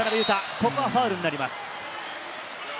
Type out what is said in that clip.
ここはファウルになります。